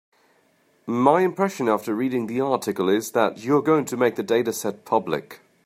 My impression after reading the article is that you are going to make the dataset public.